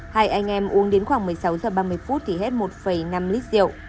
hai anh em uống đến khoảng một mươi sáu h ba mươi thì hết một năm lít rượu